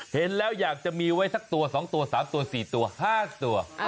เห็นแล้วอยากจะมีไว้สักตัวสองตัวสามตัวสี่ตัวห้าตัว